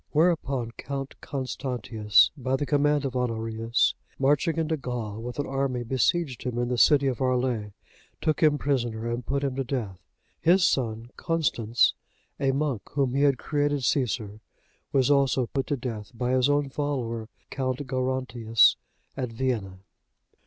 (69) Whereupon Count Constantius,(70) by the command of Honorius, marching into Gaul with an army, besieged him in the city of Arles, took him prisoner, and put him to death. His son Constans, a monk, whom he had created Caesar, was also put to death by his own follower Count Gerontius,(71) at Vienne.